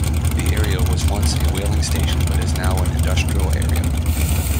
The area was once a whaling station, but is now an industrial area.